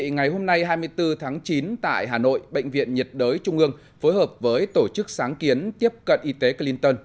ngày hôm nay hai mươi bốn tháng chín tại hà nội bệnh viện nhiệt đới trung ương phối hợp với tổ chức sáng kiến tiếp cận y tế clinton